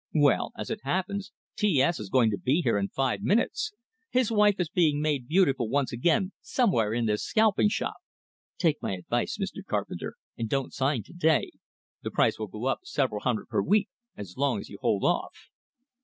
Well, as it happens, T S is going to be here in five minutes his wife is being made beautiful once again somewhere in this scalping shop. Take my advice, Mr. Carpenter, and don't sign today the price will go up several hundred per week as long as you hold off."